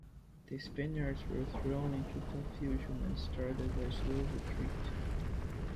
The Spaniards were thrown into confusion and started a slow retreat.